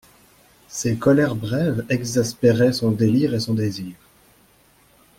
Ces colères brèves exaspéraient son délire et son désir.